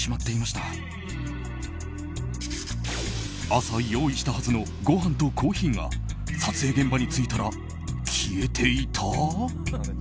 朝、用意したはずのごはんとコーヒーが撮影現場に着いたら消えていた？